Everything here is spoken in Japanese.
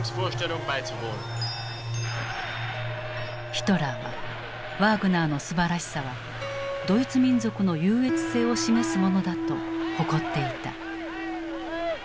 ヒトラーはワーグナーのすばらしさはドイツ民族の優越性を示すものだと誇っていた。